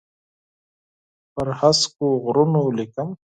پر هسکو غرونو لیکم